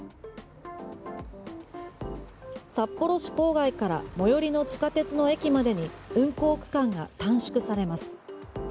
札幌市郊外から最寄りの地下鉄の駅までに運行区間が短縮されます。